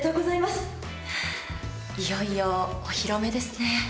いよいよお披露目ですね。